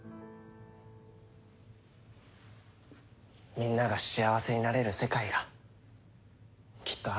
みんなが幸せになれる世界がきっとあるはずだから。